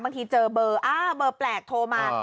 บางทีเจอเบอร์อ่าเบอร์แปลกโทรมา